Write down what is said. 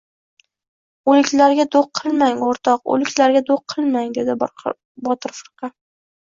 — Uliklarga do‘q qilmang, o‘rtoq, o‘liklarga do‘q qilmang, — ded Botir firqa.